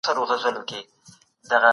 علمي بډاينه د ټولني پرمختګ ګړندی کوي.